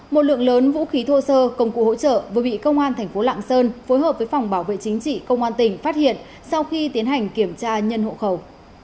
một lượng lớn vũ khí thô sơ công cụ hỗ trợ vừa bị công an tp lạng sơn phối hợp với phòng bảo vệ chính trị công an tỉnh phát hiện sau khi tiến hành kiểm tra nhân hộ khẩu